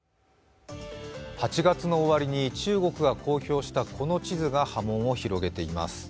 ８月の終わりに中国が公表したこの地図が波紋を呼んでいます。